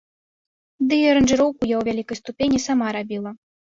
Дый аранжыроўку я ў вялікай ступені сама рабіла.